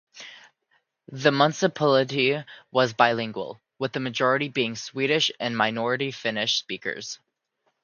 The municipality was bilingual, with the majority being Swedish and minority Finnish speakers.